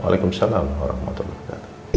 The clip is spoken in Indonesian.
waalaikumsalam orang motor